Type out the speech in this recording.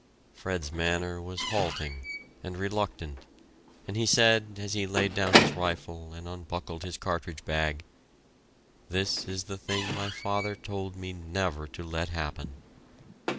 Fred's manner was halting, and reluctant, and he said, as he laid down his rifle and unbuckled his cartridge bag, "This is the thing my father told me never to let happen."